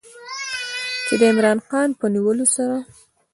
چې د عمران خان په نیولو سره